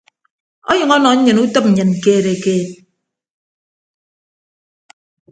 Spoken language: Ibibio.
Onyʌñ ọnọ nnyịn utịp nnyịn keed keed.